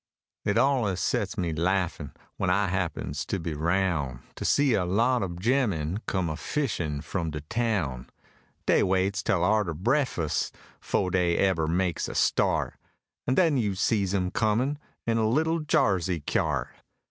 It alluz sets me laughin', when I happens to be 'roun,' To see a lot ob gemmen come a fishin' frum de town: Dey waits tell arter breakfus', 'fo' dey ebber makes a start, An' den you sees 'em comin' in a little Jarsey kyart!